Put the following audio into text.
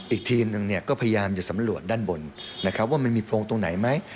อีกทีมนึงก็พยายามจะสำรวจด้านบนว่ามันมีโพรงตรงไหนไหม